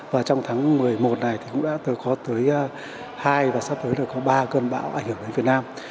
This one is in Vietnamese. và trong tháng một mươi một này thì cũng đã có tới hai và sắp tới là có ba cơn bão ảnh hưởng đến việt nam